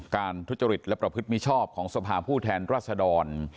การทุจริตและประพฤติมีชอบของสภาพผู้แทนราษฎร